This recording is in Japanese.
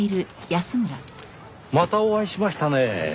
またお会いしましたねぇ。